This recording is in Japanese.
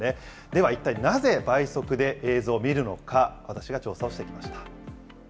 では一体なぜ、倍速で映像を見るのか、私が調査してきました。